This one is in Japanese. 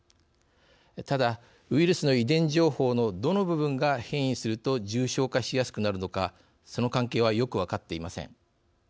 ただ、ウイルスの遺伝情報のどの部分が変異すると重症化しやすくなるのかその関係はよく分かっていません。